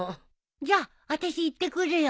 じゃああたし行ってくるよ。